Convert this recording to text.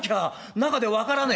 中で分からねえ」。